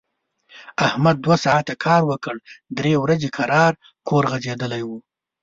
احمد دوه ساعت کار وکړ، درې ورځي کرار کور غځېدلی و.